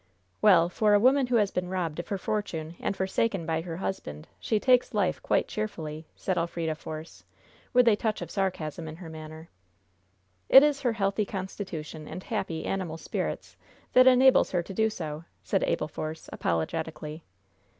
"Well, for a woman who has been robbed of her fortune and forsaken by her husband, she takes life quite cheerfully," said Elfrida Force, with a touch of sarcasm in her manner. "It is her healthy constitution and happy, animal spirits that enables her to do so," said Abel Force, apologetically.